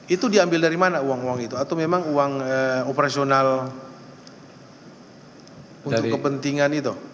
itu diambil dari mana uang uang itu atau memang uang operasional untuk kepentingan itu